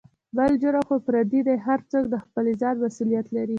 بل جرم خو فردي دى هر څوک دخپل ځان مسولېت لري.